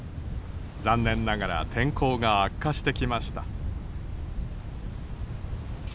残念ながら天候が悪化してきました。